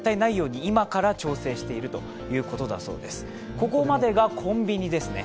ここまでがコンビニですね。